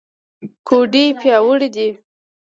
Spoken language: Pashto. ګوډې پیاوړې دي.